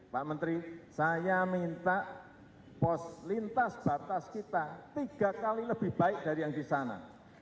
pak menteri saya minta pos lintas batas kita tiga kali lebih baik dari yang di sana